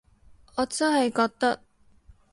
我真係覺得